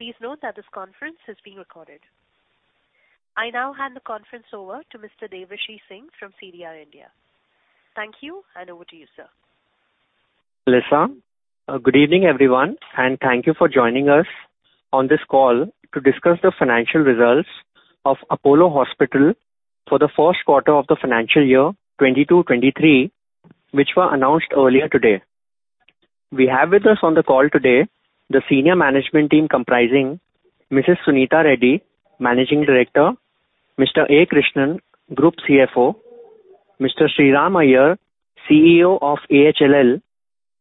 Please note that this conference is being recorded. I now hand the conference over to Mr. Devrishi Singh from CDR India. Thank you, and over to you, sir. Lisa. Good evening, everyone, and thank you for joining us on this call to discuss the financial results of Apollo Hospitals for the Q1 of the FY 2022-2023, which were announced earlier today. We have with us on the call today, the senior management team, comprising Mrs. Suneeta Reddy, Managing Director, Mr. A. Krishnan, Group CFO, Mr. Sriram Iyer, CEO of AHLL,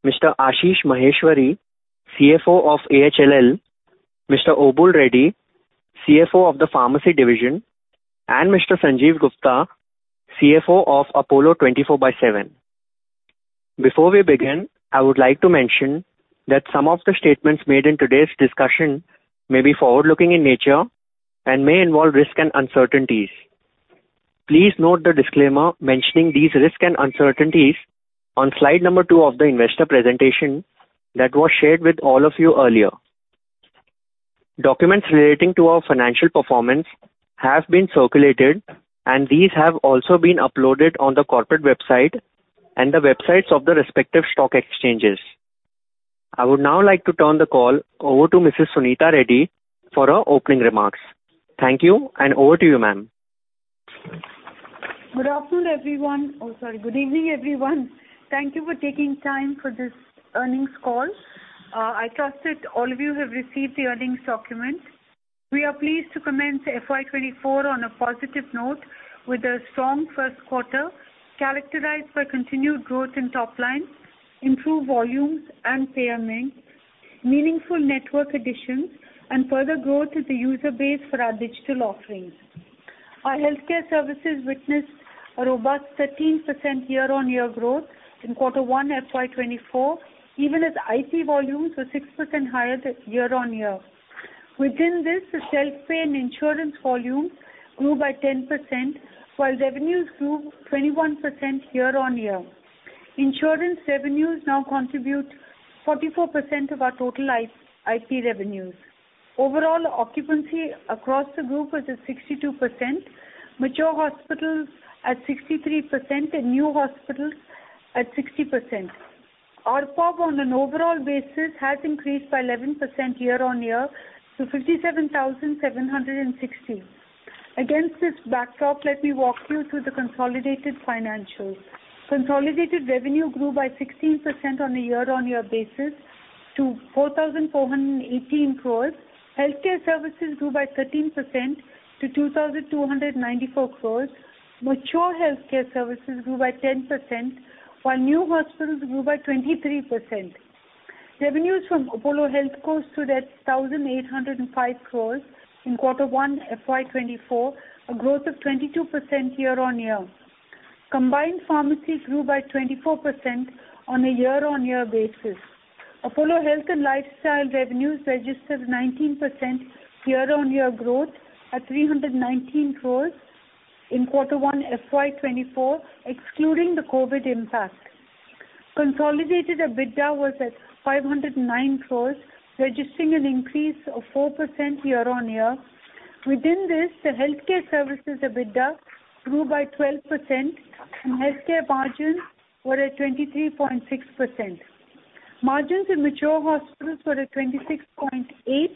Mr. Ashish Maheshwari, CFO of AHLL, Mr. Obul Reddy, CFO of the Pharmacy Division, and Mr. Sanjiv Gupta, CFO of Apollo 24|7. Before we begin, I would like to mention that some of the statements made in today's discussion may be forward-looking in nature and may involve risks and uncertainties. Please note the disclaimer mentioning these risks and uncertainties on slide number two of the investor presentation that was shared with all of you earlier. Documents relating to our financial performance have been circulated. These have also been uploaded on the corporate website and the websites of the respective stock exchanges. I would now like to turn the call over to Mrs. Suneeta Reddy for her opening remarks. Thank you, and over to you, ma'am. Good afternoon, everyone. Oh, sorry. Good evening, everyone. Thank you for taking time for this earnings call. I trust that all of you have received the earnings document. We are pleased to commence FY2024 on a positive note with a strong Q1, characterized by continued growth in top line, improved volumes and payer mix, meaningful network additions, and further growth in the user base for our digital offerings. Our healthcare services witnessed a robust 13% year-on-year growth in Q1 FY2024, even as IP volumes were 6% higher than year-on-year. Within this, the self-pay and insurance volumes grew by 10%, while revenues grew 21% year-on-year. Insurance revenues now contribute 44% of our total IP revenues. Overall, occupancy across the group was at 62%, mature hospitals at 63%, and new hospitals at 60%. ARPOB on an overall basis has increased by 11% year-on-year to 57,760. Against this backdrop, let me walk you through the consolidated financials. Consolidated revenue grew by 16% on a year-on-year basis to 4,418 crore. Healthcare services grew by 13% to 2,294 crore. Mature healthcare services grew by 10%, while new hospitals grew by 23%. Revenues from Apollo Health stood at 1,805 crore in Q1 FY2024, a growth of 22% year-on-year. Combined pharmacy grew by 24% on a year-on-year basis. Apollo Health and Lifestyle revenues registered 19% year-on-year growth at INR 319 crore in Q1 FY24, excluding the COVID impact. Consolidated EBITDA was at 509 crore, registering an increase of 4% year-on-year. Within this, the healthcare services EBITDA grew by 12%, and healthcare margins were at 23.6%. Margins in mature hospitals were at 26.8,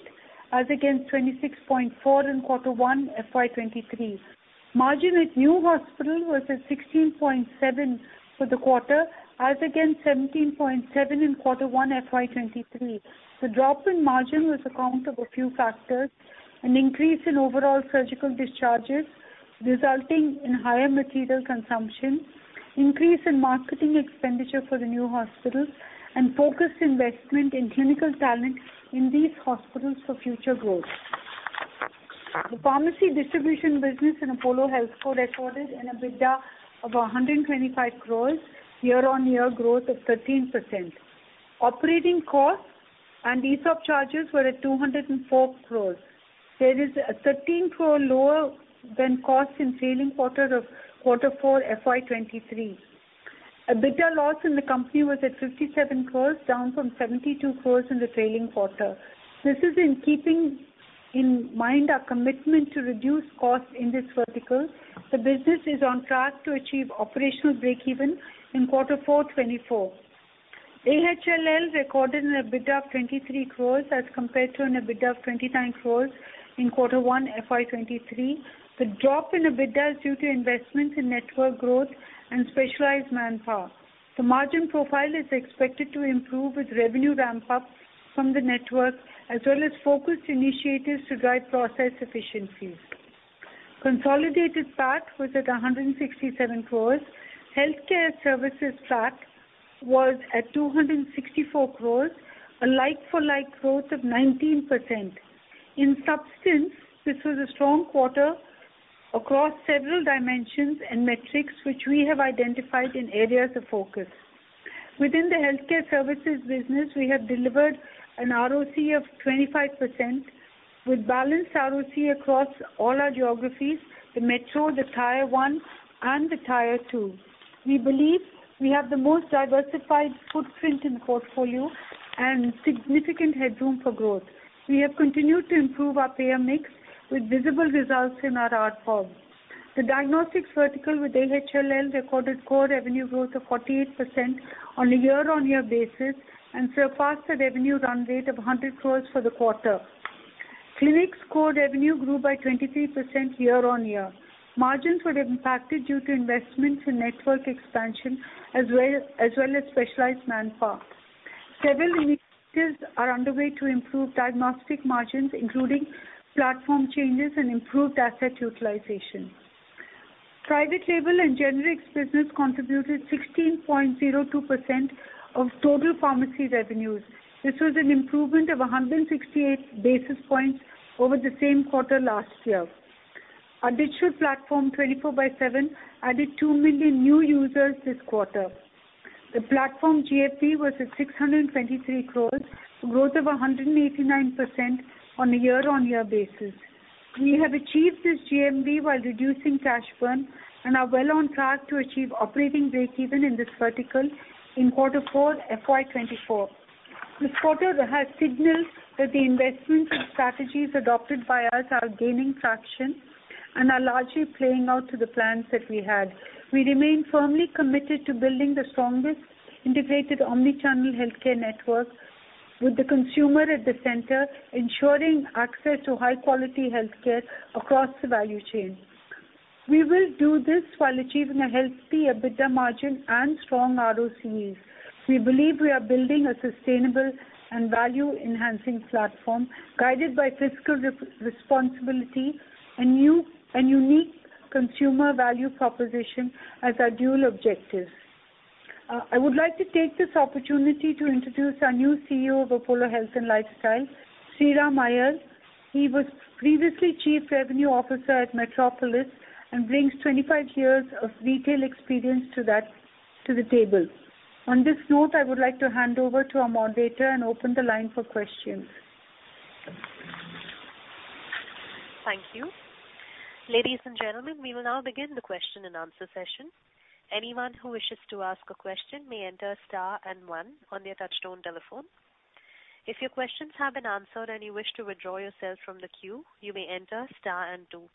as against 26.4 in Q1 FY23. Margin at new hospital was at 16.7 for the quarter, as against 17.7 in Q1 FY2023. The drop in margin was account of a few factors: an increase in overall surgical discharges, resulting in higher material consumption, increase in marketing expenditure for the new hospitals, and focused investment in clinical talent in these hospitals for future growth. The pharmacy distribution business in Apollo HealthCo recorded an EBITDA of 125 crore, year-on-year growth of 13%. Operating costs and ESOP charges were at 204 crore. There is a 13 crore lower than costs in trailing quarter of Q4 FY2023. EBITDA loss in the company was at 57 crore, down from 72 crore in the trailing quarter. This is in keeping in mind our commitment to reduce costs in this vertical. The business is on track to achieve operational break-even in Q4 2024. AHLL recorded an EBITDA of 23 crore as compared to an EBITDA of 29 crore in Q1 FY2023. The drop in EBITDA is due to investments in network growth and specialized manpower. The margin profile is expected to improve with revenue ramp-up from the network, as well as focused initiatives to drive process efficiencies. Consolidated PAT was at 167 crore. Healthcare services PAT was at 264 crore, a like-for-like growth of 19%. In substance, this was a strong quarter across several dimensions and metrics, which we have identified in areas of focus. Within the healthcare services business, we have delivered an ROC of 25%. We've balanced ROC across all our geographies, the metro, the Tier 1 and the Tier 2. We believe we have the most diversified footprint in portfolio and significant headroom for growth. We have continued to improve our payer mix with visible results in our RForm. The diagnostics vertical with AHLL, recorded core revenue growth of 48% on a year-on-year basis, and surpassed a revenue run rate of 100 crore for the quarter. Clinics core revenue grew by 23% year-on-year. Margins were impacted due to investments in network expansion, as well as specialized manpower. Several initiatives are underway to improve diagnostic margins, including platform changes and improved asset utilization. Private label and generics business contributed 16.02% of total pharmacy revenues. This was an improvement of 168 basis points over the same quarter last year. Our digital platform, Apollo 24|7, added 2 million new users this quarter. The platform GMV was at 623 crore, a growth of 189% on a year-on-year basis. We have achieved this GMV while reducing cash burn and are well on track to achieve operating breakeven in this vertical in Q4, FY24. This quarter has signaled that the investments and strategies adopted by us are gaining traction and are largely playing out to the plans that we had. We remain firmly committed to building the strongest integrated omni-channel healthcare network, with the consumer at the center, ensuring access to high quality healthcare across the value chain. We will do this while achieving a healthy EBITDA margin and strong ROCEs. We believe we are building a sustainable and value-enhancing platform, guided by fiscal responsibility, a unique consumer value proposition as our dual objective. I would like to take this opportunity to introduce our new Chief Revenue Officer of Apollo Health and Lifestyle, Sreeram Iyer. He was previously Chief Revenue Officer at Metropolis and brings 25 years of retail experience to that, to the table. On this note, I would like to hand over to our moderator and open the line for questions. Thank you. Ladies and gentlemen, we will now begin the question and answer session. Anyone who wishes to ask a question may enter star and one on their touchtone telephone. If your questions have been answered and you wish to withdraw yourself from the queue, you may enter star and two.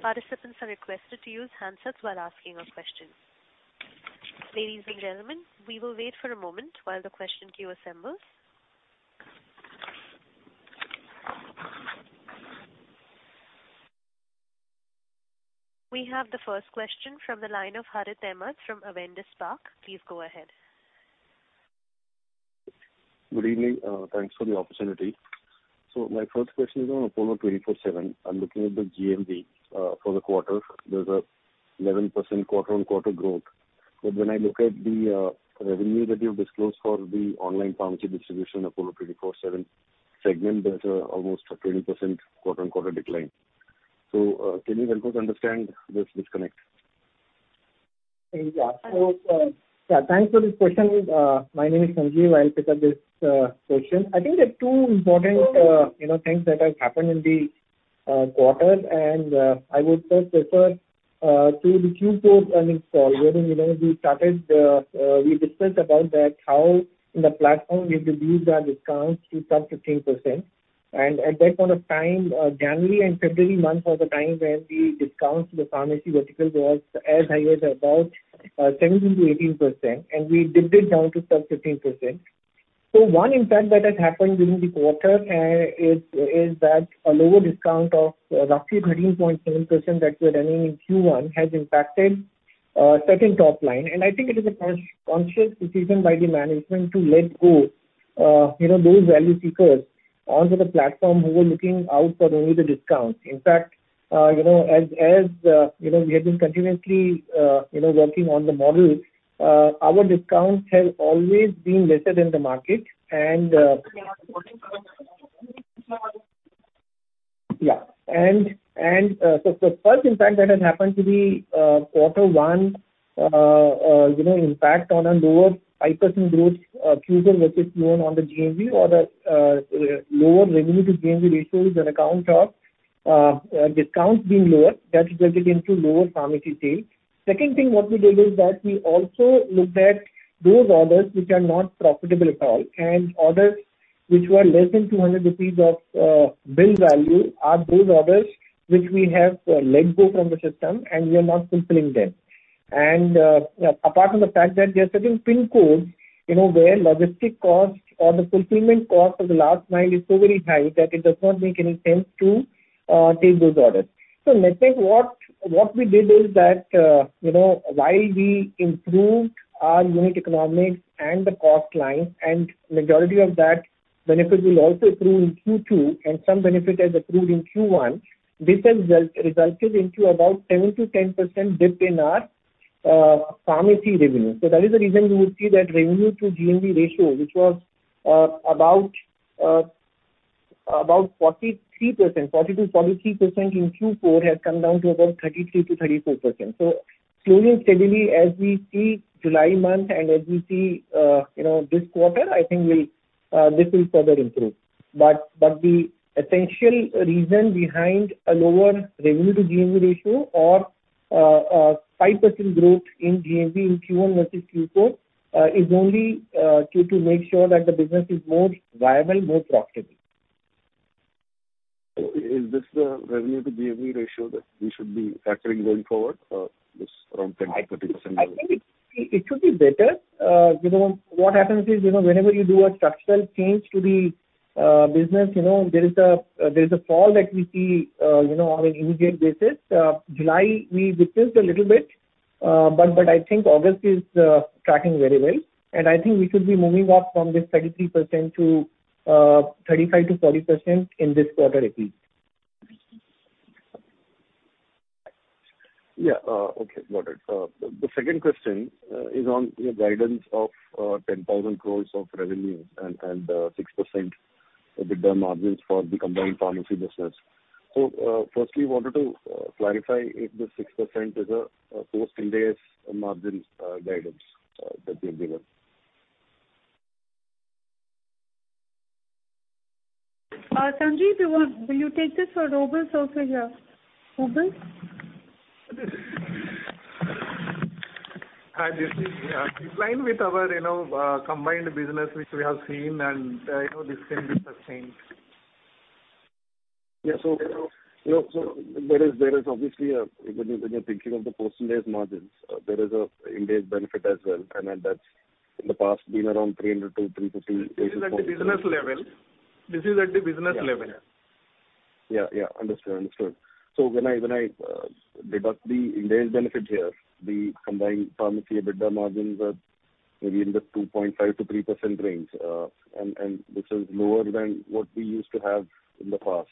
Participants are requested to use handsets while asking a question. Ladies and gentlemen, we will wait for a moment while the question queue assembles. We have the first question from the line of Harith Ahmad from Avendus Spark. Please go ahead. Good evening. Thanks for the opportunity. My first question is on Apollo 24|7. I'm looking at the GMV for the quarter. There's a 11% quarter-on-quarter growth. When I look at the revenue that you've disclosed for the online pharmacy distribution, Apollo 24|7 segment, there's almost a 20% quarter-on-quarter decline. Can you help us understand this disconnect? Yeah. Yeah, thanks for this question. My name is Sanjiv. I'll pick up this question. I think there are two important, you know, things that have happened in the quarter. I would first refer to the Q4 earnings call, wherein, you know, we started, we discussed about that, how in the platform, we've reduced our discounts to sub 15%. At that point of time, January and February month was the time when the discounts in the pharmacy vertical were as high as about 17%-18%, and we dipped it down to sub 15%. One impact that has happened during the quarter is that a lower discount of roughly 13.7% that we're running in Q1, has impacted certain top line. I think it is a conscious decision by the management to let go, you know, those value seekers onto the platform who were looking out for only the discounts. In fact, you know, as, as, you know, we have been continuously, you know, working on the model, our discounts have always been lesser than the market. Yeah. First, in fact, that has happened to be, quarter one, you know, impact on a lower 5% growth, fusion, which is known on the GMV or the lower revenue to GMV ratio is on account of discounts being lower. That resulted into lower pharmacy sales. Second thing, what we did is that we also looked at those orders which are not profitable at all, and orders which were less than 200 rupees of bill value, are those orders which we have let go from the system, and we are not fulfilling them. Apart from the fact that there are certain pin codes, you know, where logistic cost or the fulfillment cost of the last mile is so very high that it does not make any sense to take those orders. I think what, what we did is that, you know, while we improved our unit economics and the cost line, and majority of that benefit will also accrue in Q2, and some benefit has accrued in Q1, this has resulted into about 7%-10% dip in our pharmacy revenue. That is the reason you would see that revenue to GMV ratio, which was about 43%, 42%-43% in Q4, has come down to about 33%-34%. Slowly and steadily, as we see July month and as we see, you know, this quarter, I think we'll this will further improve. The essential reason behind a lower revenue to GMV ratio, 5% growth in GMV in Q1 versus Q4, is only to make sure that the business is more viable, more profitable. Is this the revenue to GMV ratio that we should be factoring going forward? This around 10%-30%. I think it, it should be better. You know, what happens is, you know, whenever you do a structural change to the business, you know, there is a, there is a fall that we see, you know, on an immediate basis. July, we witnessed a little bit, but, but I think August is tracking very well. I think we should be moving up from this 33% to 35%-40% in this quarter at least. Yeah, okay, got it. The second question is on your guidance of 10,000 crore of revenue and 6% EBITDA margins for the combined pharmacy business. Firstly, I wanted to clarify if the 6% is a post-indebtedness margins guidance that you've given? Sanjiv, will you take this or Obul also here? Obul? Hi, this is in line with our, you know, combined business, which we have seen, and, you know, this can be sustained. Yeah, you know, there is, there is obviously a, when you, when you're thinking of the post-indebtedness margins, there is a indebted benefit as well. That's in the past, been around 300-350 basis points. This is at the business level. This is at the business level. Yeah, yeah. Understood, understood. When I, when I deduct the indebted benefit here, the combined pharmacy EBITDA margins are maybe in the 2.5%-3% range. This is lower than what we used to have in the past.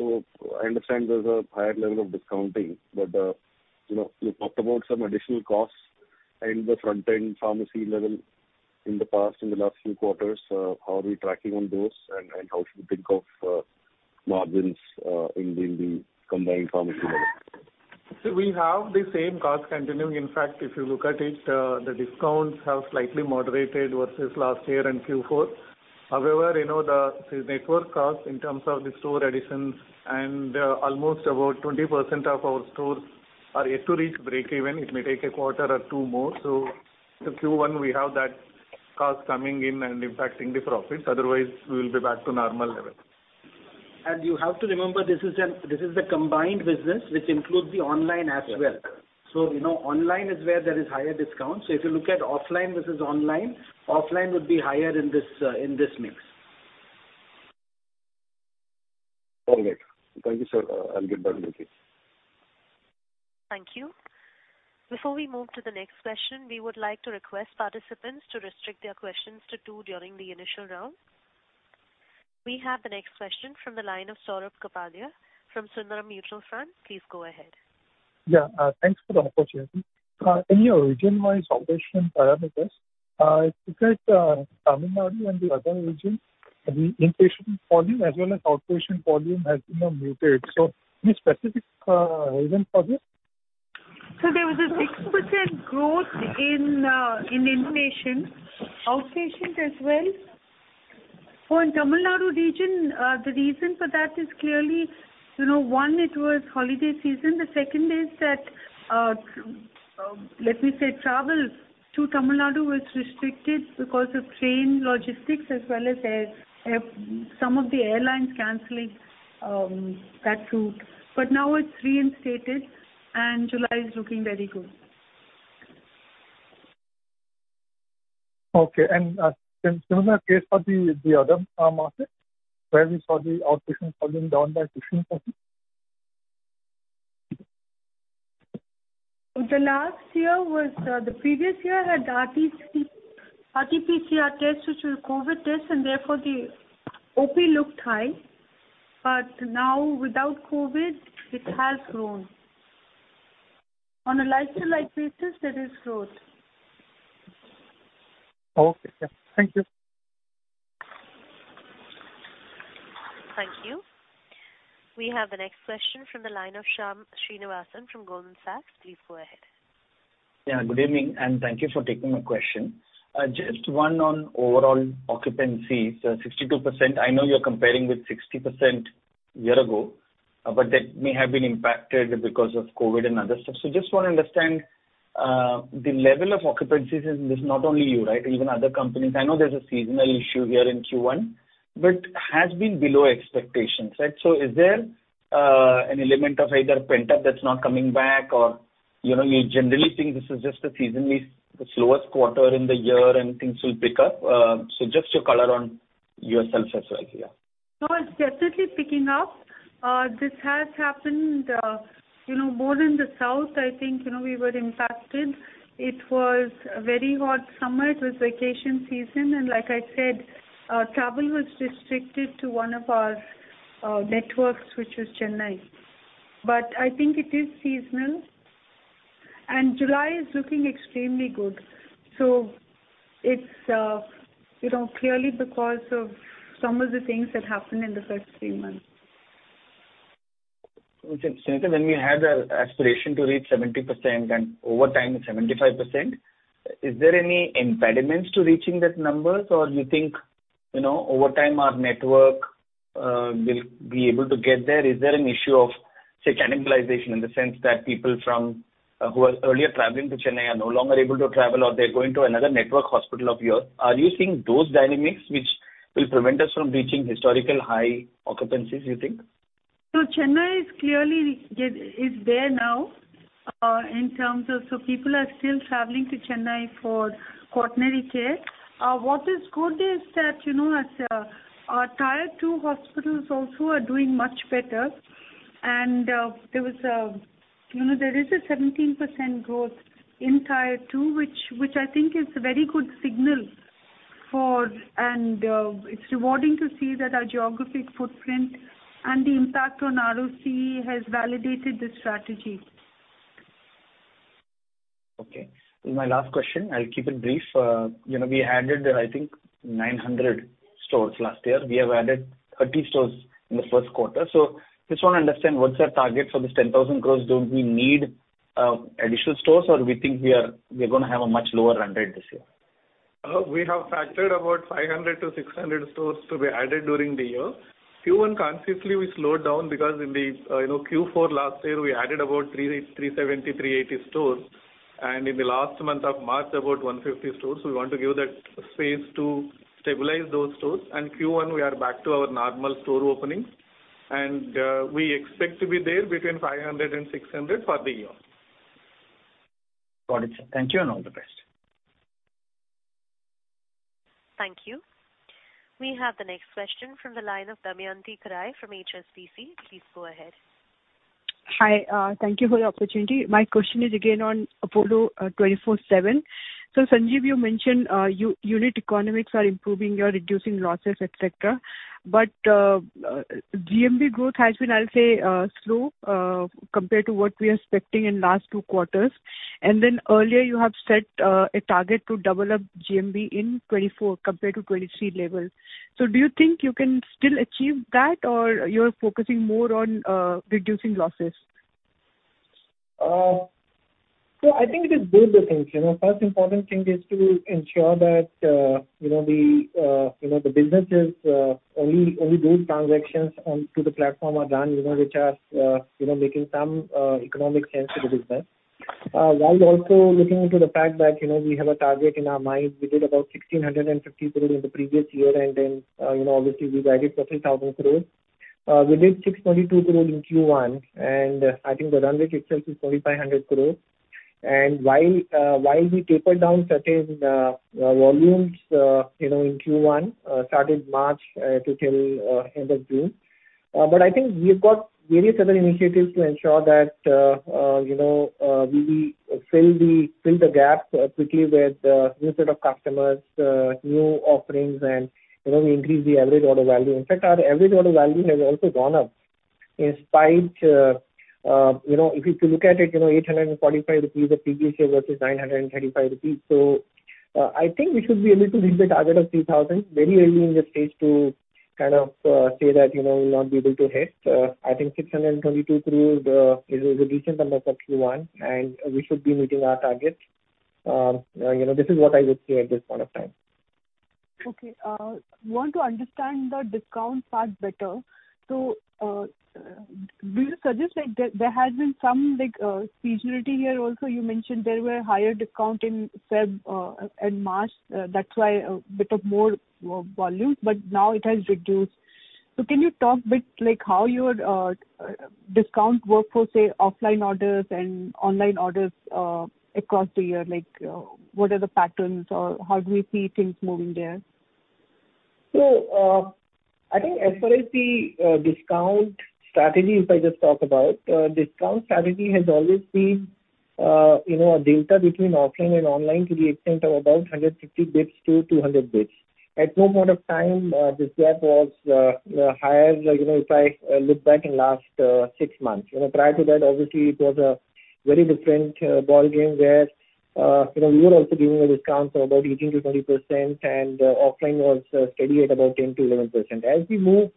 I understand there's a higher level of discounting, but, you know, you talked about some additional costs in the front-end pharmacy level in the past, in the last few quarters. How are we tracking on those, and how should we think of margins in the combined pharmacy level? We have the same cost continuing. In fact, if you look at it, the discounts have slightly moderated versus last year in Q4. However, you know, the, the network cost in terms of the store additions and, almost about 20% of our stores are yet to reach breakeven. It may take a quarter or two more. In Q1, we have that cost coming in and impacting the profits. Otherwise, we will be back to normal level. You have to remember, this is the combined business, which includes the online as well. Yeah. You know, online is where there is higher discounts. If you look at offline versus online, offline would be higher in this in this mix. All right. Thank you, sir. I'll get back to you. Thank you. Before we move to the next question, we would like to request participants to restrict their questions to two during the initial round. We have the next question from the line of Saurabh Kapadia from Sundaram Mutual Fund. Please go ahead. Thanks for the opportunity. Any region-wise operation parameters, it looks like Tamil Nadu and the other region, the inpatient volume as well as outpatient volume has been muted. Any specific reason for this? There was a 6% growth in inpatient, outpatient as well. For Tamil Nadu region, the reason for that is clearly, you know, one, it was holiday season. The second is that, let me say, travel to Tamil Nadu was restricted because of train logistics as well as air. Some of the airlines canceling that route. Now it's reinstated, and July is looking very good. Okay, similar case for the, the other, market, where we saw the outpatient volume down by 15%? The last year was, the previous year had the RTP, RTPCR test, which was COVID test, and therefore the OP looked high. Now, without COVID, it has grown. On a like-to-like basis, there is growth. Okay, yeah. Thank you. Thank you. We have the next question from the line of Shyam Srinivasan from Goldman Sachs. Please go ahead. Yeah, good evening, thank you for taking my question. Just one on overall occupancy. 62%, I know you're comparing with 60% a year ago, but that may have been impacted because of COVID and other stuff. Just want to understand the level of occupancies, and this is not only you, right? Even other companies. I know there's a seasonal issue here in Q1, but has been below expectations, right? Is there an element of either pent-up that's not coming back or, you know, you generally think this is just a seasonally slowest quarter in the year and things will pick up? Just your color on yourself as well here. No, it's definitely picking up. This has happened, you know, more in the south. I think, you know, we were impacted. It was a very hot summer, it was vacation season, and like I said, travel was restricted to one of our networks, which was Chennai. I think it is seasonal, and July is looking extremely good. It's, you know, clearly because of some of the things that happened in the first 3 months. Okay. When we had the aspiration to reach 70% and over time, 75%, is there any impediments to reaching that numbers? You think, you know, over time, our network-... will be able to get there. Is there an issue of, say, cannibalization in the sense that people from, who are earlier traveling to Chennai are no longer able to travel, or they're going to another network hospital of yours? Are you seeing those dynamics which will prevent us from reaching historical high occupancies, you think? Chennai is clearly is there now. People are still traveling to Chennai for quaternary care. What is good is that, you know, as our Tier 2 hospitals also are doing much better. There was a, you know, there is a 17% growth in Tier 2, which, which I think is a very good signal for... It's rewarding to see that our geographic footprint and the impact on ROC has validated this strategy. Okay. This is my last question. I'll keep it brief. you know, we added, I think, 900 stores last year. We have added 30 stores in the Q1. Just want to understand, what's our target for this 10,000 crore? Don't we need additional stores, or we think we are gonna have a much lower run rate this year? We have factored about 500-600 stores to be added during the year. Q1 consciously we slowed down because in the, you know, Q4 last year, we added about 38, 370, 380 stores, and in the last month of March, about 150 stores. We want to give that space to stabilize those stores, and Q1, we are back to our normal store openings. We expect to be there between 500-600 for the year. Got it. Thank you, and all the best. Thank you. We have the next question from the line of Damayanti Kerai from HSBC. Please go ahead. Hi, thank you for the opportunity. My question is again on Apollo 24|7. Sanjiv, you mentioned unit economics are improving, you are reducing losses, et cetera. GMV growth has been, I'll say, slow compared to what we are expecting in last two quarters. Earlier you have set a target to double up GMV in 2024 compared to 2023 levels. Do you think you can still achieve that, or you're focusing more on reducing losses? I think it is both the things. First important thing is to ensure that the businesses, only those transactions on to the platform are done, which are making some economic sense to the business. While also looking into the fact that we have a target in our mind. We did about 1,650 crore in the previous year, and then obviously we guided for 3,000 crore. We did 622 crore in Q1, and I think the run rate itself is 2,500 crore. While we taper down certain volumes in Q1, started March to till end of June. But I think we've got various other initiatives to ensure that, you know, we fill the, fill the gap quickly with new set of customers, new offerings, and, you know, we increase the average order value. In fact, our average order value has also gone up in spite, you know, if you to look at it, you know, 845 rupees the previous year versus 935 rupees. I think we should be able to hit the target of 3,000. Very early in the stage to kind of say that, you know, we'll not be able to hit. I think 622 crore is a decent number for Q1, and we should be meeting our targets. you know, this is what I would say at this point of time. Okay, want to understand the discount part better. Do you suggest, like, there, there has been some, like, seasonality here also? You mentioned there were higher discount in Feb, and March, that's why a bit of more v- volume, but now it has reduced. Can you talk bit, like, how your discount work for, say, offline orders and online orders, across the year? Like, what are the patterns, or how do we see things moving there? I think as far as the discount strategy, if I just talk about, discount strategy has always been, you know, a delta between offline and online to the extent of about 150 basis points to 200 basis points. At no point of time, this gap was higher, you know, if I look back in last 6 months. You know, prior to that, obviously, it was a very different ballgame where, you know, we were also giving a discount of about 18%-20%, and offline was steady at about 10%-11%. As we move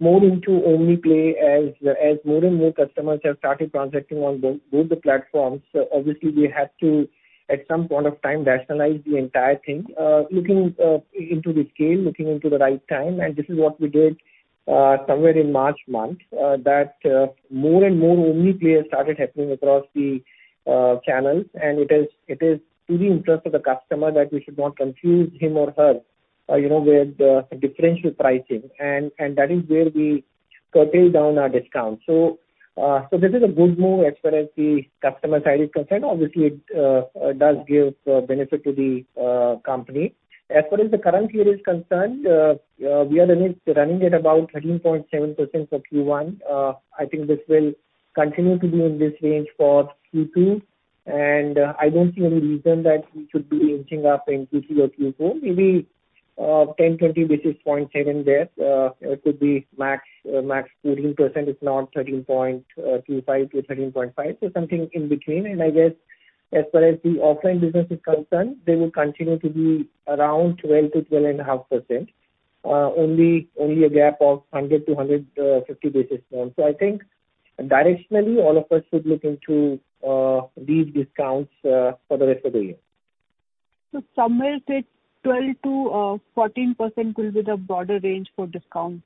more into only play, as more and more customers have started transacting on both the platforms, obviously we had to, at some point of time, rationalize the entire thing. Looking into the scale, looking into the right time, this is what we did somewhere in March month. That more and more Omni players started happening across the channels, it is to the interest of the customer that we should not confuse him or her, you know, with differential pricing. That is where we curtailed down our discounts. This is a good move as far as the customer side is concerned. Obviously, it does give benefit to the company. As far as the current year is concerned, we are running at about 13.7% for Q1. I think this will continue to be in this range for Q2, and I don't see any reason that we should be inching up in Q3 or Q4. Maybe 10-20 basis points here and there. It could be max, max 14%, if not 13.25-13.5. Something in between. I guess as far as the offline business is concerned, they will continue to be around 12-12.5%. Only, only a gap of 100-150 basis points. I think directionally, all of us should look into these discounts for the rest of the year. Samir said 12%-14% will be the broader range for discount.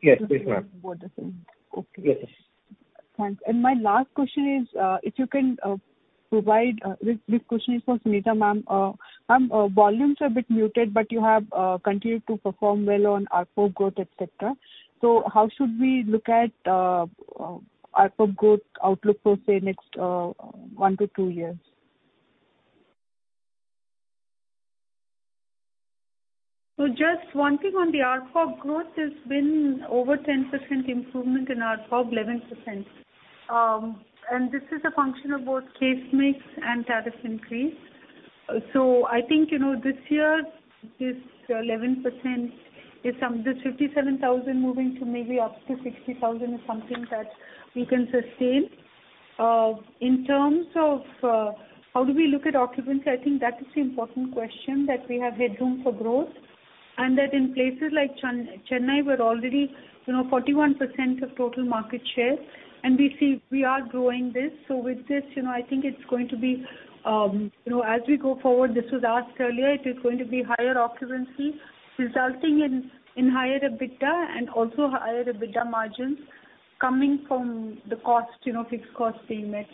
Yes, yes, ma'am. Okay. Yes. Thanks. My last question is, if you can, provide, this question is for Suneeta ma'am. Ma'am, volumes are a bit muted, but you have, continued to perform well on ARPOB growth, etcetera. How should we look at, ARPOB growth outlook for, say, next, one-two years? Just one thing on the ARPOB growth, there's been over 10% improvement in ARPOB, 11%. This is a function of both case mix and tariff increase. I think, you know, this year, this 11% is the 57,000 moving to maybe up to 60,000, is something that we can sustain. In terms of how do we look at occupancy, I think that is the important question, that we have headroom for growth, and that in places like Chennai, we're already, you know, 41% of total market share, and we see we are growing this. With this, you know, I think it's going to be, you know, as we go forward, this was asked earlier, it is going to be higher occupancy, resulting in, in higher EBITDA and also higher EBITDA margins coming from the cost, you know, fixed cost being met.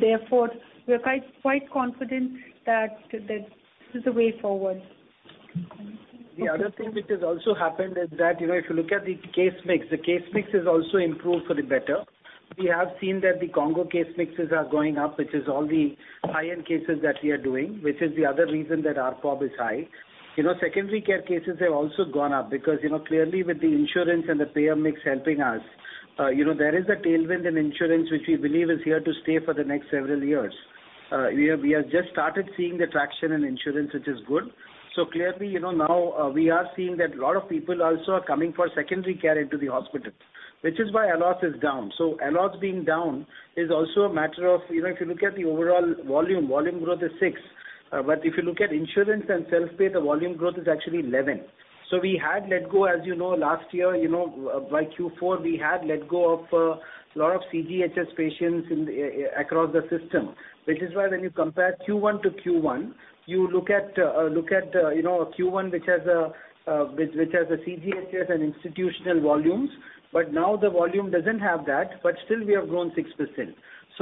Therefore, we are quite, quite confident that, that this is the way forward. The other thing which has also happened is that, you know, if you look at the case mix, the case mix has also improved for the better. We have seen that the complex case mixes are going up, which is all the high-end cases that we are doing, which is the other reason that ARPOB is high. You know, secondary care cases have also gone up because, you know, clearly with the insurance and the payer mix helping us, you know, there is a tailwind in insurance, which we believe is here to stay for the next several years. We have, we have just started seeing the traction in insurance, which is good. Clearly, you know, now, we are seeing that a lot of people also are coming for secondary care into the hospital, which is why ALOS is down. ALOS being down is also a matter of, you know, if you look at the overall volume, volume growth is 6%. If you look at insurance and self-pay, the volume growth is actually 11%. We had let go, as you know, last year, you know, by Q4, we had let go of a lot of CGHS patients across the system. Which is why when you compare Q1 to Q1, you look at, you know, Q1, which has a, which has a CGHS and institutional volumes, but now the volume doesn't have that, but still we have grown 6%.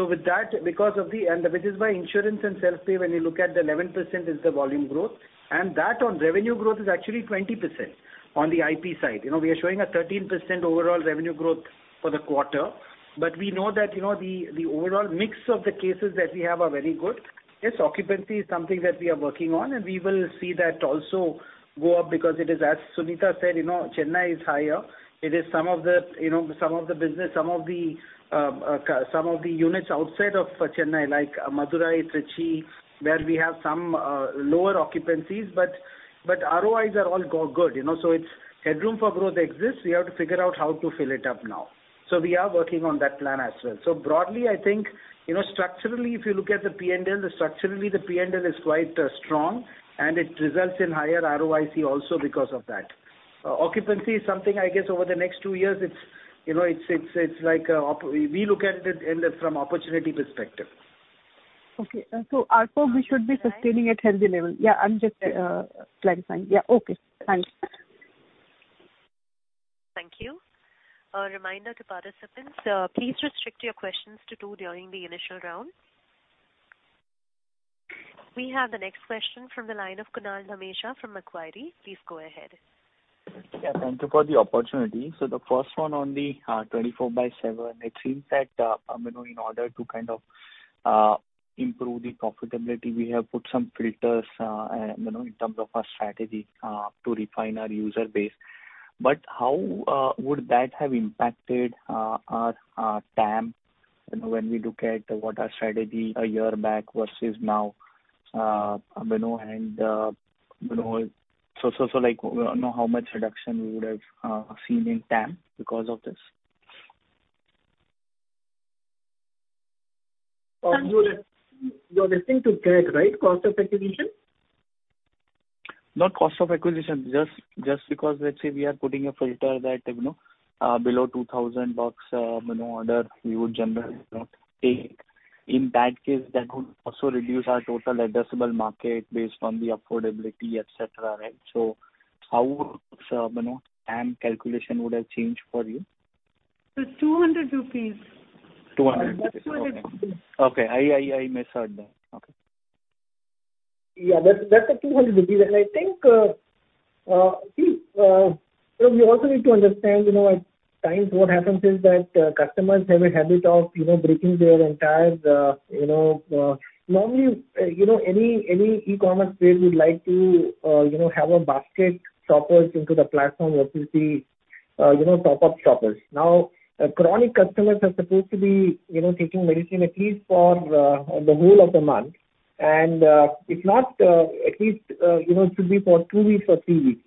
With that, because of the... Which is why insurance and self-pay, when you look at the 11%, is the volume growth, and that on revenue growth is actually 20% on the IP side. You know, we are showing a 13% overall revenue growth for the quarter, but we know that, you know, the, the overall mix of the cases that we have are very good. Yes, occupancy is something that we are working on, and we will see that also go up because it is, as Suneeta said, you know, Chennai is higher. It is some of the, you know, some of the business, some of the units outside of Chennai, like Madurai, Trichy, where we have some lower occupancies, but ROIs are all good, you know. It's headroom for growth exists. We have to figure out how to fill it up now. We are working on that plan as well. Broadly, I think, you know, structurally, if you look at the PNL, structurally, the PNL is quite strong, and it results in higher ROIC also because of that. Occupancy is something I guess over the next two years, it's, you know, it's, it's, it's like we, we look at it in the from opportunity perspective. Okay. So ARPOB, we should be sustaining at healthy level? Yeah, I'm just clarifying. Yeah. Okay, thanks. Thank you. A reminder to participants, please restrict your questions to two during the initial round. We have the next question from the line of Kunal Dhamesha from Macquarie. Please go ahead. Yeah, thank you for the opportunity. The first one on the 24|7, it seems that, you know, in order to kind of improve the profitability, we have put some filters, you know, in terms of our strategy to refine our user base. How would that have impacted our TAM, you know, when we look at what our strategy a year back versus now, you know, and, you know, how much reduction we would have seen in TAM because of this? You are referring to what, right? Cost of acquisition? Not cost of acquisition. Just because let's say we are putting a filter that, you know, below $2,000, you know, order, we would generally not take. In that case, that would also reduce our total addressable market based on the affordability, et cetera, right? How, you know, TAM calculation would have changed for you? 200 rupees. 200 rupees. 200. Okay, I misheard that. Okay. Yeah, that's, that's 200 rupees. I think, see, so we also need to understand, you know, at times what happens is that customers have a habit of, you know, breaking their entire, you know... Normally, you know, any, any e-commerce player would like to, you know, have a basket shoppers into the platform versus the, you know, pop-up shoppers. Now, chronic customers are supposed to be, you know, taking medicine at least for the whole of the month. If not, at least, you know, it should be for two weeks or three weeks.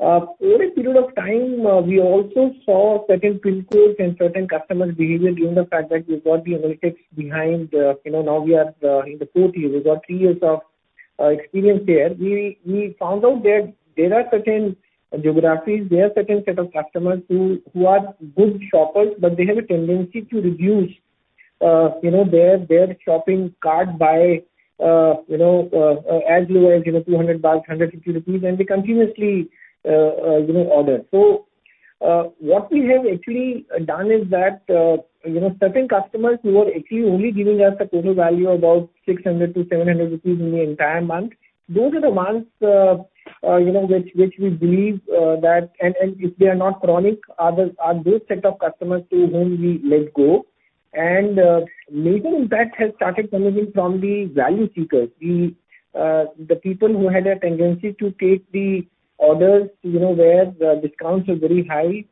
Over a period of time, we also saw certain pin codes and certain customer behavior, given the fact that we've got the analytics behind, you know, now we are in the 4th year. We've got three years of experience there. We found out that there are certain geographies, there are certain set of customers who are good shoppers, but they have a tendency to reduce, you know, their shopping cart by, you know, as low as, you know, INR 200, 150 rupees, and they continuously, you know, order. What we have actually done is that, you know, certain customers who are actually only giving us a total value of about 600-700 rupees in the entire month, those are the ones, you know, which we believe, and if they are not chronic, are those set of customers to whom we let go. Major impact has started coming in from the value seekers, the people who had a tendency to take the orders, you know, where the discounts are very high.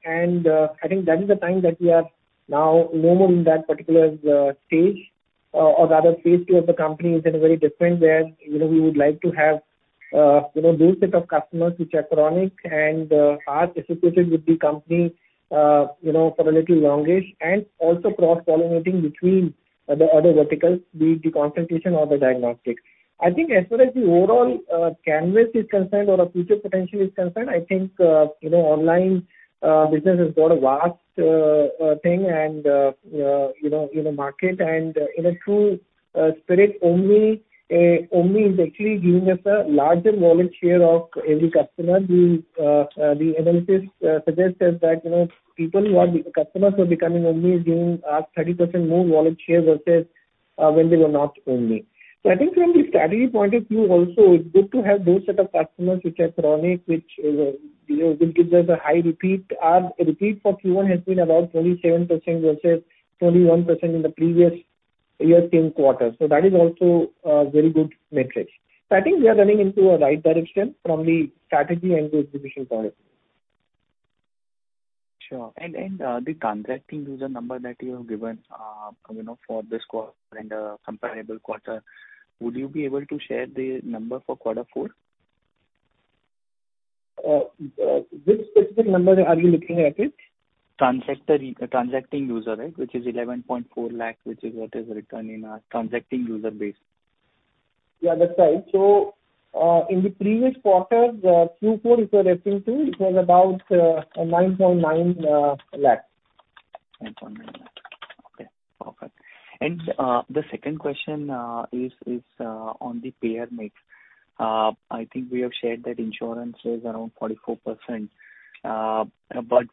I think that is the time that we are now no more in that particular stage, or rather phase two of the company is in a very different, where, you know, we would like to have, you know, those set of customers which are chronic and are associated with the company, you know, for a little longer, and also cross-pollinating between the other verticals, the consultation or the diagnostics. I think as far as the overall canvas is concerned or the future potential is concerned, I think, you know, online business has got a vast thing and, you know, in the market, and in a true spirit, Omni, Omni is actually giving us a larger wallet share of every customer. The analysis suggests us that, you know, customers who are becoming Omni is giving us 30% more wallet share versus when they were not Omni. I think from the strategy point of view also, it's good to have those set of customers which are chronic, which, you know, will give us a high repeat. Our repeat for Q1 has been about 27% versus 21% in the previous year, same quarter. That is also a very good metric. I think we are running into a right direction from the strategy and the execution point. Sure. The transacting user number that you have given, you know, for this quarter and comparable quarter, would you be able to share the number for Q4? Which specific number are you looking at it? transacting user, right, which is 11.4 lakh, which is what is written in our transacting user base. Yeah, that's right. In the previous quarter, the Q4 you were referring to, it was about, 9.9 lakh. 9.9. Okay, perfect. The second question is, is on the payer mix. I think we have shared that insurance is around 44%.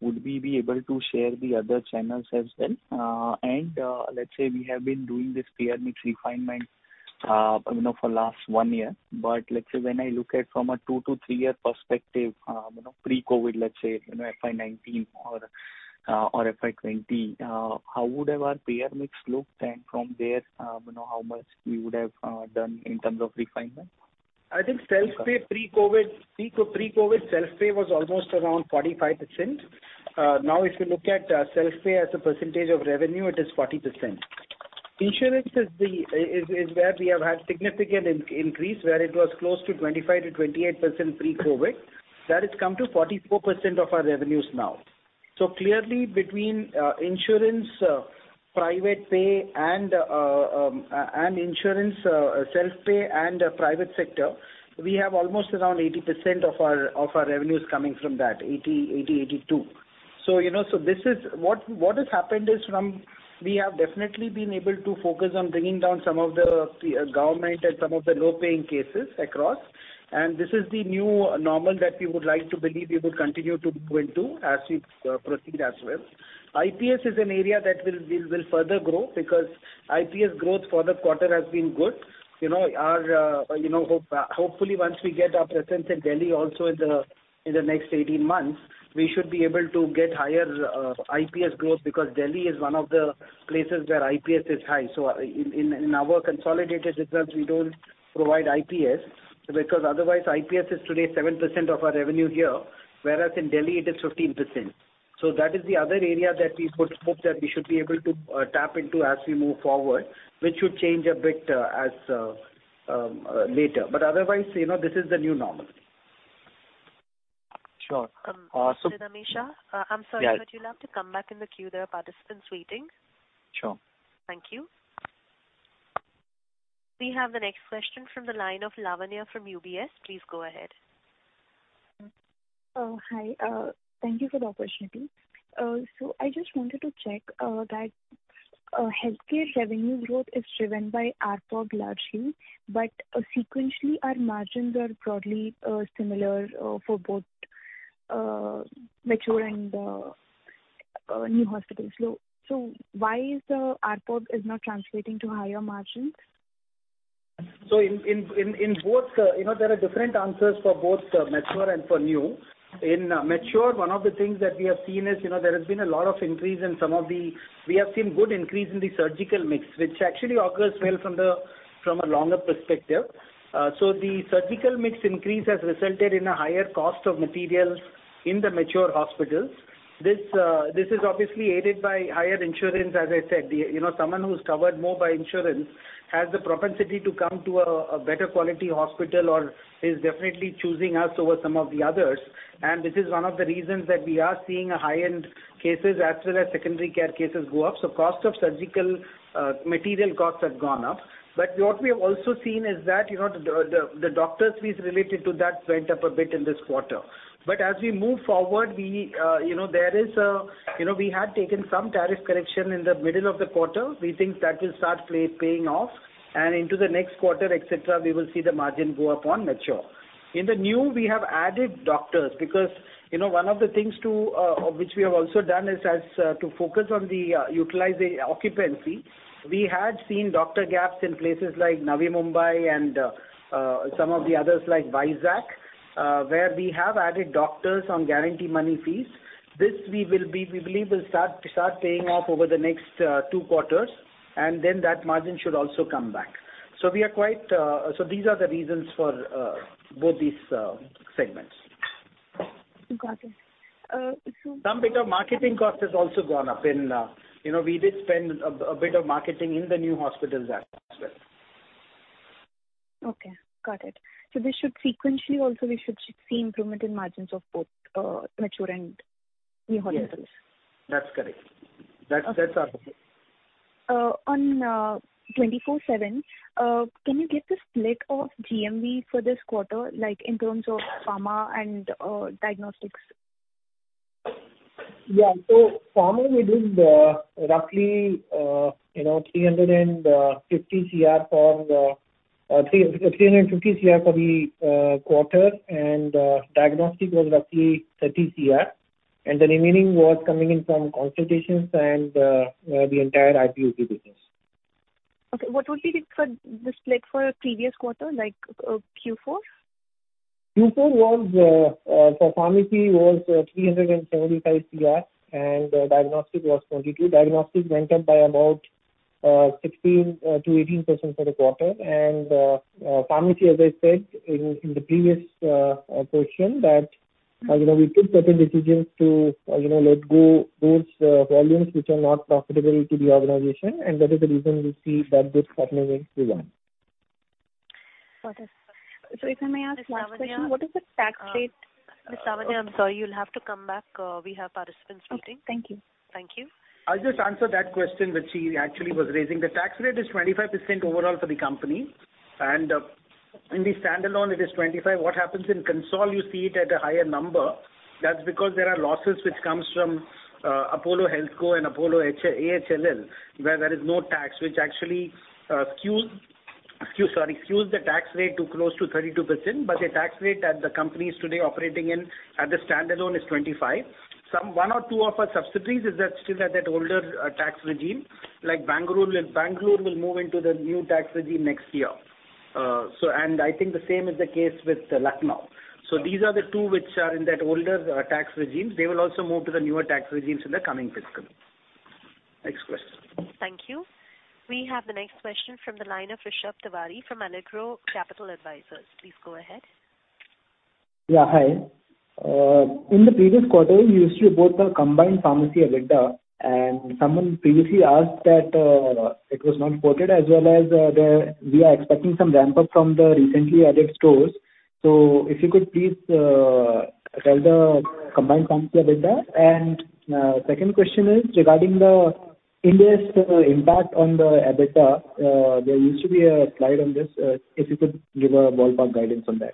Would we be able to share the other channels as well? Let's say we have been doing this payer mix refinement, you know, for last one year. Let's say when I look at from a two to three-year perspective, you know, pre-COVID, let's say, you know, FY19 or FY20, how would our payer mix look then from there, you know, how much we would have done in terms of refinement? I think self-pay pre-COVID, pre-COVID self-pay was almost around 45%. Now, if you look at self-pay as a percentage of revenue, it is 40%. Insurance is the, is where we have had significant increase, where it was close to 25%-28% pre-COVID. That has come to 44% of our revenues now. Clearly, between insurance, private pay and insurance, self-pay and private sector, we have almost around 80% of our, of our revenues coming from that, 80%-82%. You know, this is... What, what has happened is, we have definitely been able to focus on bringing down some of the government and some of the low-paying cases across. This is the new normal that we would like to believe we will continue to go into as we proceed as well. IPS is an area that will, will, will further grow, because IPS growth for the quarter has been good. You know, our, you know, hopefully, once we get our presence in Delhi also in the, in the next 18 months, we should be able to get higher IPS growth, because Delhi is one of the places where IPS is high. In, in, in our consolidated results, we don't provide IPS, because otherwise IPS is today 7% of our revenue here, whereas in Delhi it is 15%. That is the other area that we would hope that we should be able to tap into as we move forward, which should change a bit as later. Otherwise, you know, this is the new normal. Sure. Mr. Dhamesha? I'm sorry- Yeah. You'll have to come back in the queue. There are participants waiting. Sure. Thank you. We have the next question from the line of Lavanya Tottala from UBS. Please go ahead. Hi. Thank you for the opportunity. I just wanted to check that healthcare revenue growth is driven by ARPOB largely, but sequentially, our margins are broadly similar for both mature and new hospitals. Why is the ARPOB not translating to higher margins? In both, you know, there are different answers for both mature and for new. In mature, one of the things that we have seen is, you know, we have seen good increase in the surgical mix, which actually occurs well from a longer perspective. The surgical mix increase has resulted in a higher cost of materials in the mature hospitals. This is obviously aided by higher insurance. As I said, the, you know, someone who's covered more by insurance has the propensity to come to a better quality hospital or is definitely choosing us over some of the others. This is one of the reasons that we are seeing a high-end cases as well as secondary care cases go up. Cost of surgical material costs have gone up. What we have also seen is that, you know, the doctor fees related to that went up a bit in this quarter. As we move forward, we, you know, we had taken some tariff correction in the middle of the quarter. We think that will start paying off, and into the next quarter, et cetera, we will see the margin go up on mature....In the new, we have added doctors, because, you know, one of the things to which we have also done is as to focus on the utilize the occupancy. We had seen doctor gaps in places like Navi Mumbai and some of the others, like Vizag, where we have added doctors on guarantee money fees. This we believe will start, start paying off over the next two quarters. Then that margin should also come back. We are quite. These are the reasons for both these segments. Got it. Some bit of marketing cost has also gone up in, you know, we did spend a bit of marketing in the new hospitals as well. Okay, got it. This should sequentially also we should see improvement in margins of both mature and new hospitals. Yes, that's correct. That's, that's our hope. On Apollo 24|7, can you give the split of GMV for this quarter, like in terms of pharma and diagnostics? Yeah, so pharmacy we did, roughly, you know, 350 crore for the quarter, and diagnostic was roughly 30 crore. The remaining was coming in from consultations and the entire IP-OP business. Okay, what would be the, the split for a previous quarter, like, Q4? Q4 was for pharmacy was INR 375 crore, and diagnostic was 42. Diagnostics went up by about 16%-18% for the quarter. Pharmacy, as I said in the previous question, that, you know, we took certain decisions to, you know, let go those volumes which are not profitable to the organization, and that is the reason you see that this happening in Q1. Got it. If I may ask one question- Miss Lavanya- What is the tax rate? Miss Savanya, I'm sorry, you'll have to come back. We have participants waiting. Okay, thank you. Thank you. I'll just answer that question which she actually was raising. The tax rate is 25% overall for the company, and in the standalone it is 25%. What happens in consol, you see it at a higher number. That's because there are losses which comes from Apollo HealthCo and Apollo AHLL, where there is no tax, which actually skews the tax rate to close to 32%. The tax rate that the company is today operating in at the standalone is 25. Some one or two of our subsidiaries is that, still at that older tax regime, like Bangalore. Bangalore will move into the new tax regime next year. I think the same is the case with Lucknow. These are the two which are in that older tax regimes. They will also move to the newer tax regimes in the coming fiscal. Next question. Thank you. We have the next question from the line of Rishabh Tiwari from Allegro Capital Advisors. Please go ahead. Yeah, hi. In the previous quarter, you issued both a combined pharmacy EBITDA, and someone previously asked that it was not reported, as well as, we are expecting some ramp-up from the recently added stores. If you could please tell the combined pharmacy EBITDA. Second question is regarding the Ind AS impact on the EBITDA, there used to be a slide on this, if you could give a ballpark guidance on that.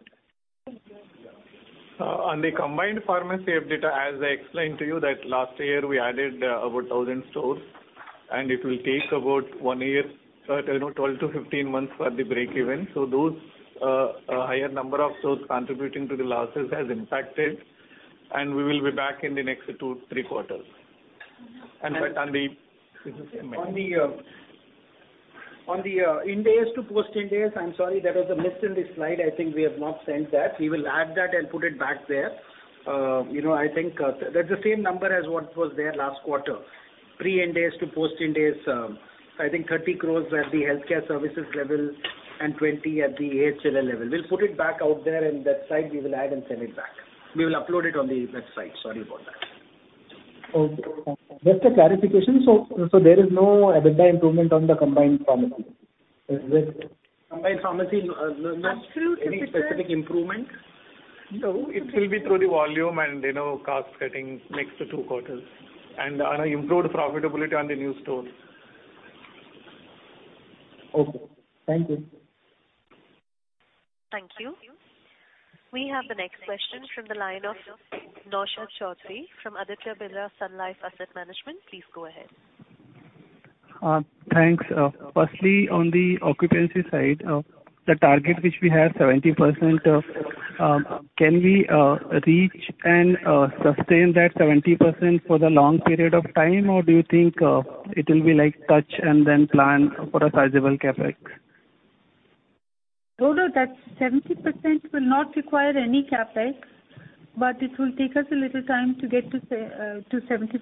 On the combined pharmacy EBITDA, as I explained to you, that last year we added over a thousand stores, and it will take about one year, you know, 12-15 months for the break even. Those, a higher number of stores contributing to the losses has impacted, and we will be back in the next two-three quarters. On the... On the Ind AS to post Ind AS, I'm sorry, that was a missed in the slide. I think we have not sent that. We will add that and put it back there. you know, I think, that's the same number as what was there last quarter. Pre Ind AS to post Ind AS, I think 30 crore at the healthcare services level and 20 crore at the AHLL level. We'll put it back out there, and that slide we will add and send it back. We will upload it on the website. Sorry about that. Okay, just a clarification. So there is no EBITDA improvement on the combined pharmacy? Combined pharmacy, not- That's true. Any specific improvement? No, it will be through the volume and, you know, cost cutting next to 2 quarters, and improved profitability on the new stores. Okay. Thank you. Thank you. We have the next question from the line of Naushad Chaudhary from Aditya Birla Sun Life Asset Management. Please go ahead. Thanks. Firstly, on the occupancy side, the target which we have 70%, can we reach and sustain that 70% for the long period of time? Or do you think it will be like touch and then plan for a sizable CapEx? No, that 70% will not require any CapEx, but it will take us a little time to get to 70%.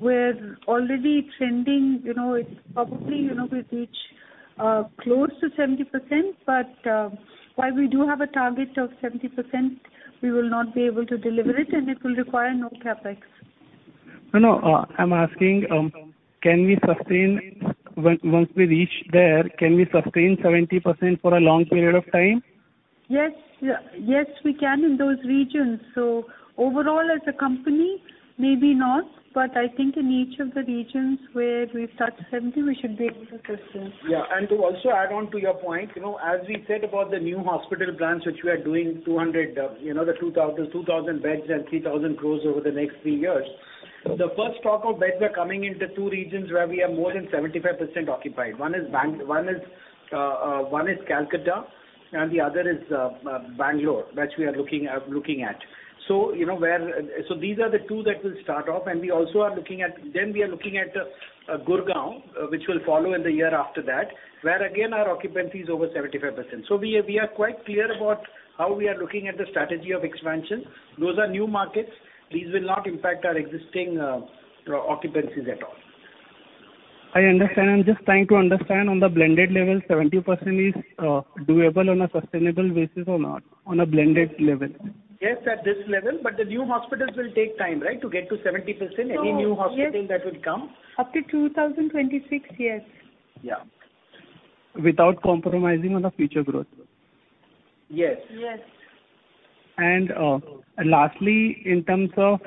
We're already trending, you know, it's probably, you know, we reach close to 70%, but, while we do have a target of 70%, we will not be able to deliver it, and it will require no CapEx. No, no, I'm asking, can we sustain... Once, once we reach there, can we sustain 70% for a long period of time? Yes, yes, we can in those regions. Overall, as a company, maybe not, but I think in each of the regions where we've started 70, we should be able to sustain. Yeah. To also add on to your point, you know, as we said about the new hospital plans, which we are doing 200, you know, the 2,000, 2,000 beds and 3,000 grows over the next three years. The first stock of beds are coming into two regions where we are more than 75% occupied. One is one is one is Calcutta, and the other is Bangalore, which we are looking at, looking at. You know, these are the two that will start off, and we also are looking at... We are looking at Gurgaon, which will follow in the year after that, where again, our occupancy is over 75%. We are, we are quite clear about how we are looking at the strategy of expansion. Those are new markets. These will not impact our existing occupancies at all. I understand. I'm just trying to understand on the blended level, 70% is doable on a sustainable basis or not, on a blended level? Yes, at this level. The new hospitals will take time, right, to get to 70%. Any new hospital that would come. Up to 2026, yes. Yeah. Without compromising on the future growth? Yes. Yes. Lastly, in terms of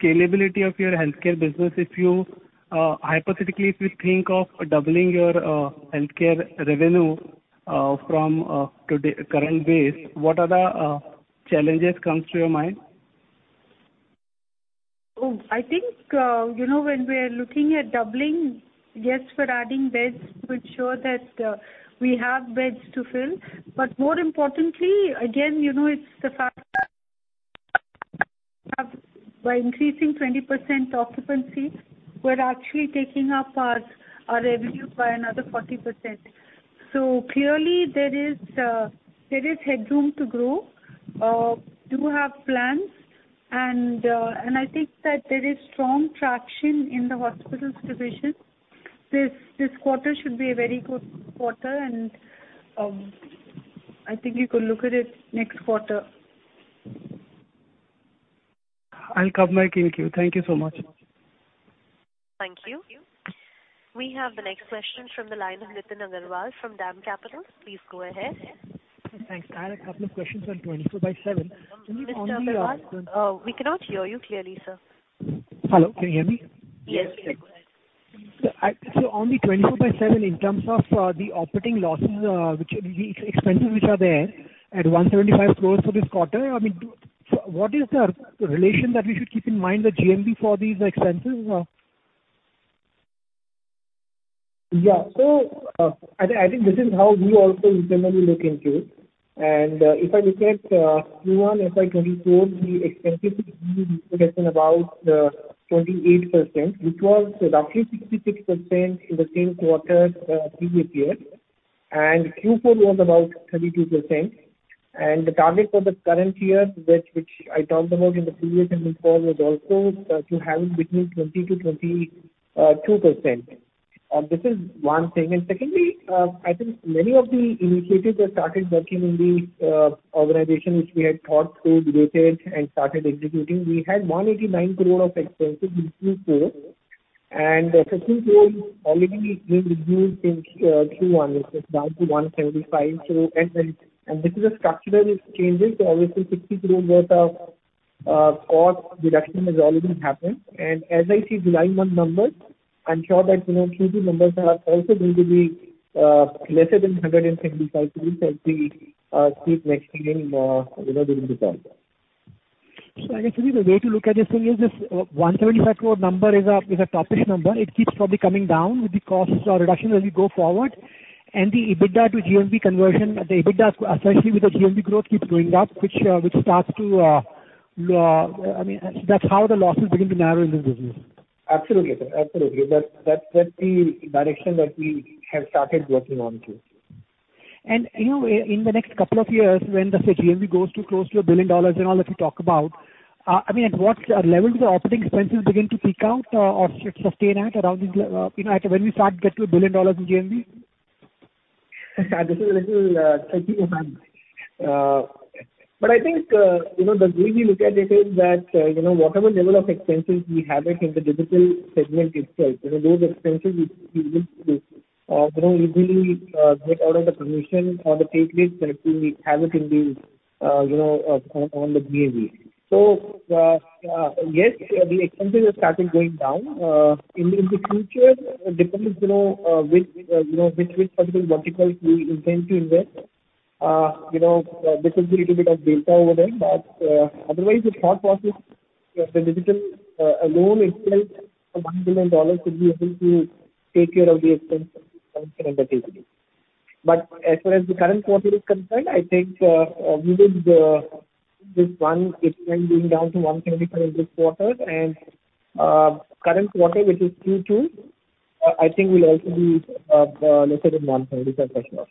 scalability of your healthcare business, if you hypothetically, if you think of doubling your healthcare revenue, from current base, what are the challenges comes to your mind? I think, you know, when we are looking at doubling, yes, we're adding beds, which show that we have beds to fill. More importantly, again, you know, it's the fact by increasing 20% occupancy, we're actually taking up our, our revenue by another 40%. Clearly, there is headroom to grow. Do have plans, and I think that there is strong traction in the hospitals division. This, this quarter should be a very good quarter, and I think you could look at it next quarter. I'll cap my thank you. Thank you so much. Thank you. We have the next question from the line of Nitin Agarwal from DAM Capital. Please go ahead. Thanks. I had a couple of questions on 24/7. Can you only... Mr. Agarwal, we cannot hear you clearly, sir. Hello, can you hear me? Yes, we can. On the 24|7, in terms of the operating losses, which, the expenses which are there at 175 crore for this quarter, I mean, what is the relation that we should keep in mind, the GMV for these expenses? Yeah. I think this is how we also generally look into. If I look at Q1 FY24, the expenses reduction about 28%, which was roughly 66% in the same quarter previous year, and Q4 was about 32%. The target for the current year, which I talked about in the previous call, was also to have between 20-22%. This is one thing. Secondly, I think many of the initiatives that started working in the organization, which we had thought through, debated, and started executing, we had 189 crore of expenses in Q4, and INR 15 crore already been reduced in Q1. It is down to 175 crore. This is a structural changes, so obviously 60 crore worth of cost reduction has already happened. As I see July month numbers, I'm sure that, you know, Q2 numbers are also going to be lesser than 175 crore as we see it next year in, you know, during the quarter. I guess really the way to look at this thing is this, 175 crore number is a, is a top-ish number. It keeps probably coming down with the costs or reduction as we go forward. The EBITDA to GMV conversion, the EBITDA, especially with the GMV growth, keeps going up, which, which starts to, I mean, that's how the losses begin to narrow in this business. Absolutely, sir. Absolutely. That's, that's, that's the direction that we have started working on to. you know, in the next couple of years, when the GMV goes to close to $1 billion and all that you talk about, I mean, at what levels the operating expenses begin to peak out, or sustain at around the, you know, at when we start get to $1 billion in GMV? This is a little tricky one. But I think, you know, the way we look at it is that, you know, whatever level of expenses we have it in the digital segment itself, you know, those expenses which we look to, you know, easily get out of the commission or the caseload, and we have it in the, you know, on the GMV. Yes, the expenses have started going down. In the future, it depends, you know, which, you know, which particular verticals we intend to invest. You know, this is a little bit of data over there, but otherwise, the thought process, the digital alone, it takes $1 billion to be able to take care of the expenses and the caseload. As far as the current quarter is concerned, I think, with the, this one, it's been down to 125 this quarter. Current quarter, which is Q2, I think will also be, lesser than 125% also. Okay. Just getting the last one on that. How should we see the EBITDA % improving with relation to GMV over the next two years?...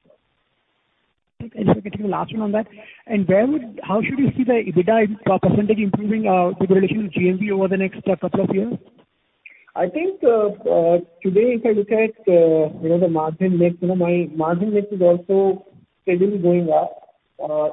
I think, today, if I look at, you know, the margin mix, you know, my margin mix is also steadily going up.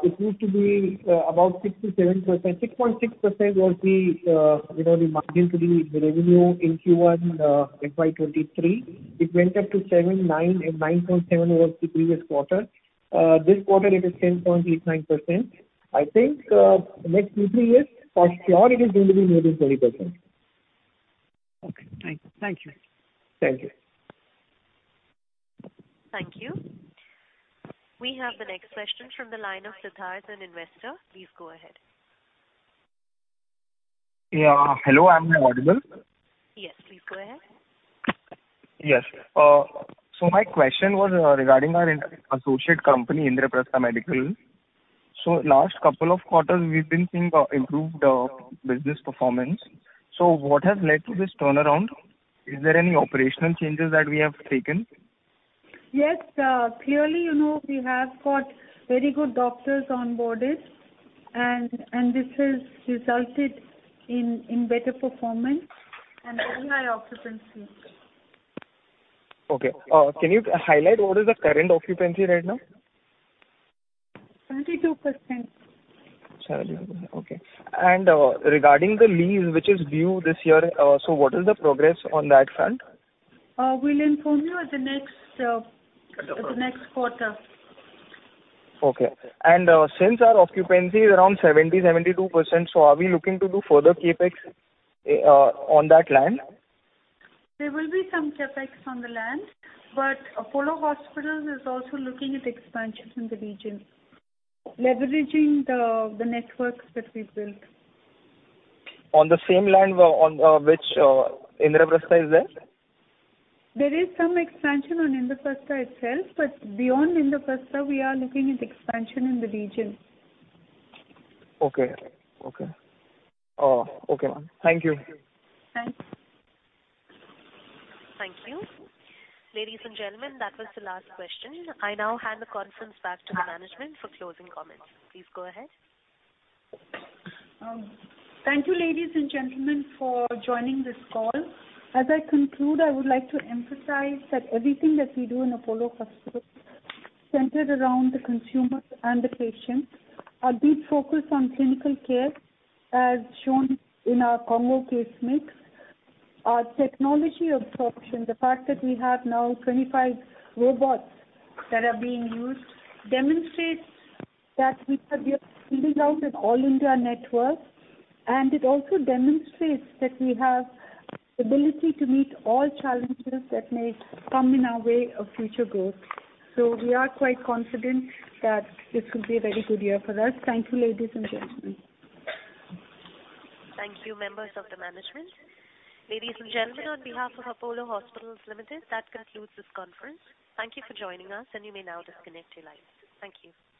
It used to be about 6%-7%. 6.6% was the, you know, the margin to the, the revenue in Q1, FY2023. It went up to 7%, 9%, and 9.7% was the previous quarter. This quarter it is 10.89%. I think, the next two-three years, for sure, it is going to be more than 20%. Okay, thank you. Thank you. Thank you. Thank you. We have the next question from the line of Siddharth, an investor. Please go ahead. Yeah. Hello, am I audible? Yes, please go ahead. Yes. So my question was regarding our inter- associate company, Indraprastha Medical. Last couple of quarters, we've been seeing improved business performance. What has led to this turnaround? Is there any operational changes that we have taken? Yes, clearly, you know, we have got very good doctors on boarded, and, and this has resulted in, in better performance and very high occupancy. Okay. Can you highlight what is the current occupancy right now? 32%. 32, okay. Regarding the lease, which is due this year, what is the progress on that front? We'll inform you at the next, at the next quarter. Okay. Since our occupancy is around 70%-72%, are we looking to do further CapEx on that land? There will be some CapEx on the land. Apollo Hospitals is also looking at expansions in the region, leveraging the networks that we've built. On the same land on, which, Indraprastha is there? There is some expansion on Indraprastha itself, but beyond Indraprastha, we are looking at expansion in the region. Okay. Okay. Okay, ma'am. Thank you. Thanks. Thank you. Ladies and gentlemen, that was the last question. I now hand the conference back to the management for closing comments. Please go ahead. Thank you, ladies and gentlemen, for joining this call. As I conclude, I would like to emphasize that everything that we do in Apollo Hospitals is centered around the consumer and the patient. A big focus on clinical care, as shown in our complex case mix. Our technology absorption, the fact that we have now 25 robots that are being used, demonstrates that we are rolling out an all-India network, and it also demonstrates that we have the ability to meet all challenges that may come in our way of future growth. We are quite confident that this could be a very good year for us. Thank you, ladies and gentlemen. Thank you, members of the management. Ladies and gentlemen, on behalf of Apollo Hospitals Limited, that concludes this conference. Thank you for joining us, and you may now disconnect your lines. Thank you.